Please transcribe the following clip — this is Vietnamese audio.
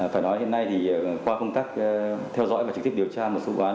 phải nói hiện nay thì qua phong cách theo dõi và trực tiếp điều tra một số vụ án